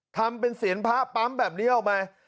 ทำเป็นเสียงพระปั๊มแบบนี้ออกมา